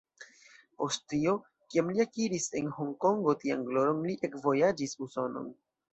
Post tio, kiam li akiris en Honkongo tian gloron, li ekvojaĝis Usonon.